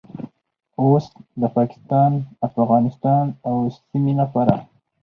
اوس د پاکستان، افغانستان او سیمې لپاره